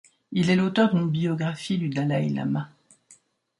Il est l'auteur d'une biographie du dalaï-lama.